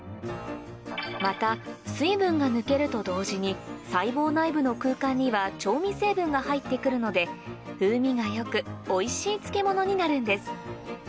また水分が抜けると同時に細胞内部の空間には調味成分が入って来るので風味が良くおいしい漬物になるんです